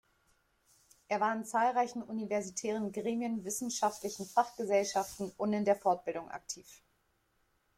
Er war in zahlreichen universitären Gremien, wissenschaftlichen Fachgesellschaften und in der Fortbildung aktiv.